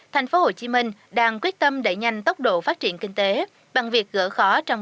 thành phố hồ chí minh đang quyết tâm đẩy nhanh tốc độ phát triển kinh tế bằng việc gỡ khó trong